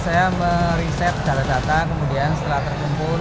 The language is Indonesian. saya mereset secara data kemudian setelah terkumpul